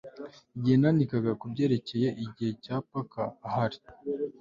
igihe nandikaga kubyerekeye igihe cya parker ahari